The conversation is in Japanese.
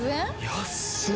安い。